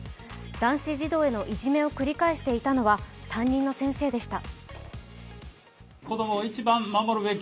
男子児童へのいじめを繰り返していたのは担任の先生でした。